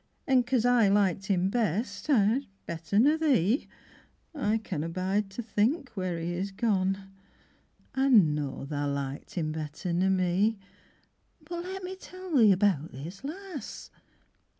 An' cos I liked him best, yi, bett'r nor thee, I canna bide to think where he is gone. Ah know tha liked 'im bett'r nor me. But let Me tell thee about this lass.